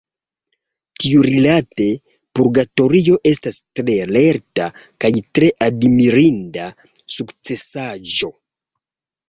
Tiurilate, Purgatorio estas tre lerta kaj tre admirinda sukcesaĵo.